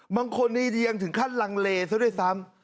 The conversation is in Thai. บางคนนี้ยังถึงขั้นลังเลซะด้วยซ้ำ